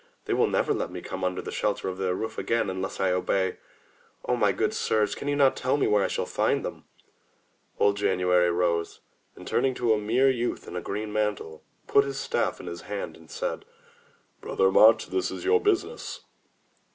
They will never let me come under the shelter of their roof again unless I obey. O my good sirs, can you not tell me where I shall find them?" Old January rose, and turning to a mere youth in a green mantle, put his staff in his hand and said: "Brother March, this is your business."